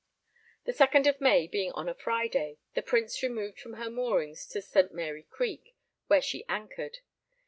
The 2nd of May being on a Friday, the Prince removed from her moorings to St. Mary Creek, where she anchored.